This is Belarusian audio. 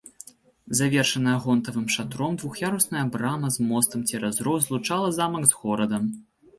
Завершаная гонтавым шатром двух'ярусная брама з мостам цераз роў злучала замак з горадам.